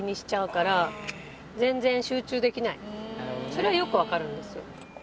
それはよく分かるんですよ。